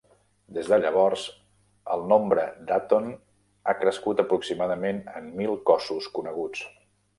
Des de llavors, el nombre d'Aton ha crescut aproximadament en mil cossos coneguts.